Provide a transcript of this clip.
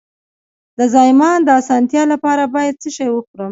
د زایمان د اسانتیا لپاره باید څه شی وخورم؟